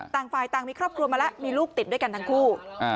ต่างฝ่ายต่างมีครอบครัวมาแล้วมีลูกติดด้วยกันทั้งคู่